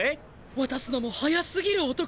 渡すのも「速すぎる男」！